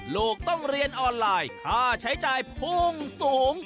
ลูกต้องเรียนออนไลน์ค่าใช้จ่ายพุ่งสูง